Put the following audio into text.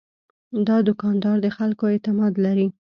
دا دوکاندار د خلکو اعتماد لري.